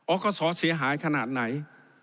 ออกสอเสียหายขนาดไหน